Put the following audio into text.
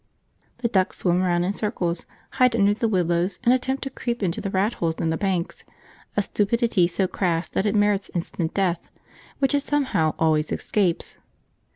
jpg} The ducks swim round in circles, hide under the willows, and attempt to creep into the rat holes in the banks, a stupidity so crass that it merits instant death, which it somehow always escapes.